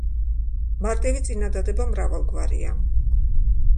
მარტივი წინადადება მრავალგვარია.